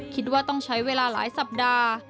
คิดว่าต้องใช้เวลาหลายสัปดาห์